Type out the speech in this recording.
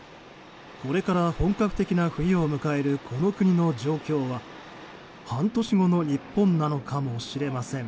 これから本格的な冬を迎えるこの国の状況は半年後の日本なのかもしれません。